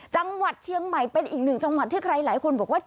จังหวัดเชียงใหม่เป็นอีกหนึ่งจังหวัดที่ใครหลายคนบอกว่า